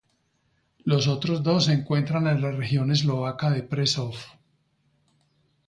Los otros dos se encuentran en la región eslovaca de Prešov.